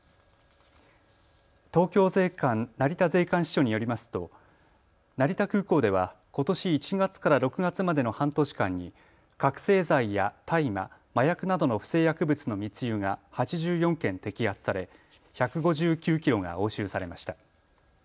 東京税関成田税関支署によりますと成田空港ではことし１月から６月までの半年間に覚醒剤や大麻、麻薬などの不正薬物の密輸が８４件摘発され１５９キロが押収されました。